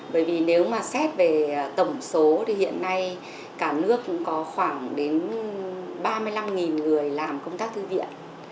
bởi vì nếu mà xét về tổng số thì hiện nay cả nước cũng có khoảng đến ba mươi năm người làm công tác thư viện